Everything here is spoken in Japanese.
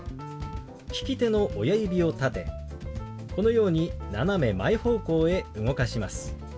利き手の親指を立てこのように斜め前方向へ動かします。